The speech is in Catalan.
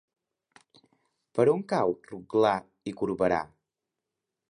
Per on cau Rotglà i Corberà?